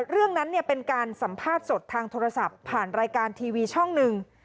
เรื่องนั้นเป็นการสัมภาษณ์สดทางโทรศัพท์ผ่านรายการทีวีช่องหนึ่ง